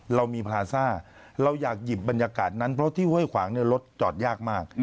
เรามีพาซ่าเราอยากหยิบบรรยากาศนั้นเพราะที่ห้วยขวางเนี่ยรถจอดยากมาก